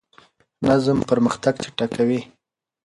نظم پرمختګ چټکوي.